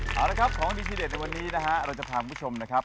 เอาละครับของดีที่เด็ดในวันนี้นะฮะเราจะพาคุณผู้ชมนะครับ